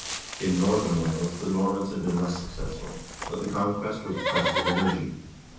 In Northern Wales the Normans had been less successful, but the conquest was pressed with energy.